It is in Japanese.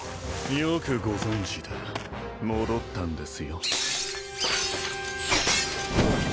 よくご存じだ戻ったんですよ